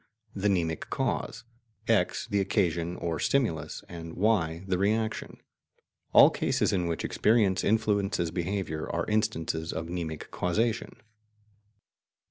the mnemic cause, X the occasion or stimulus, and Y the reaction. All cases in which experience influences behaviour are instances of mnemic causation.